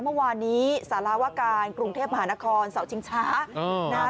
เมื่อวานนี้สารวการกรุงเทพมหานครเสาชิงช้านะฮะ